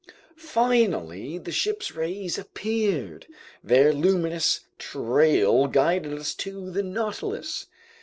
Finally the ship's rays appeared. Their luminous trail guided us to the Nautilus.